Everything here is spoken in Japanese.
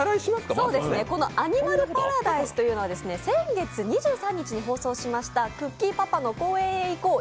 アニマルパラダイスというのは先月２３日に放送しました「くっきー！パパの公園へ行こう！」